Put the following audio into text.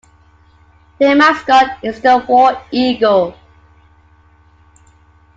Their mascot is the War Eagle.